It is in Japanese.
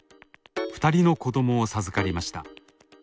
２人の子供を授かりました。